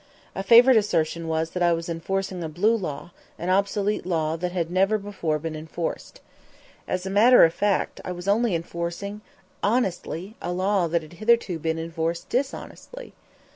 A favorite assertion was that I was enforcing a "blue" law, an obsolete law that had never before been enforced. As a matter of fact, I was only enforcing honestly a law that had hitherto been enforced dishonestly.